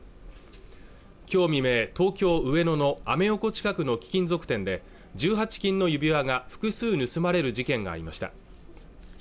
今日未明東京上野のアメ横近くの貴金属店で１８金の指輪が複数盗まれる事件がありました